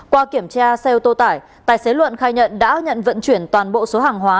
qua kiểm tra xe ô tô tải tài xế luận khai nhận đã nhận vận chuyển toàn bộ số hàng hóa